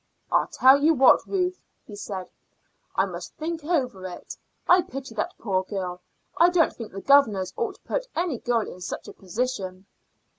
"I tell you what, Ruth," he said; "I must think over it. I pity that poor girl. I don't think the governors ought to put any girl in such a position."